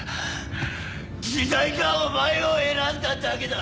時代がお前を選んだだけだ！